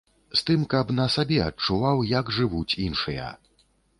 З тым, каб на сабе адчуваў, як жывуць іншыя.